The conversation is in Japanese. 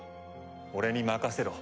俺に任せろ。